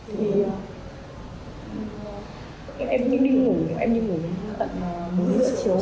thì em cứ đi ngủ em đi ngủ tận bốn giờ chiều